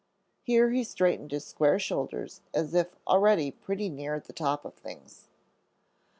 Here he straightened his square shoulders as if already pretty near the top of things.